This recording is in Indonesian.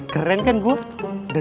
keren kan gue